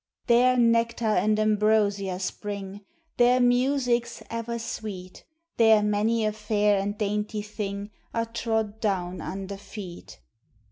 There nectar and ambrosia spring There music's ever sweet; There many a fair and dainty thing Are trod down under feet.